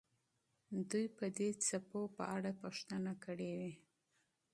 دوی به د څپو په اړه پوښتنه کړې وي.